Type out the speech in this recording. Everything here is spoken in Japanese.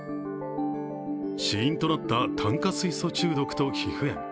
死因となった炭化水素中毒と皮膚炎。